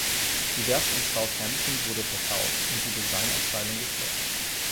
Die Werft in Southampton wurde verkauft und die Design-Abteilung geschlossen.